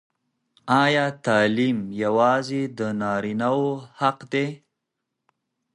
ایا تعلیم یوازې د نارینه وو حق دی؟